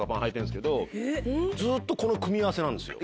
ずっとこの組み合わせなんですよ。